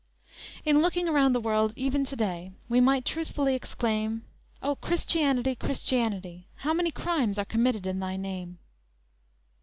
In looking around the world even to day, we might truthfully exclaim: "O, Christianity! Christianity! how many crimes are committed in thy name!"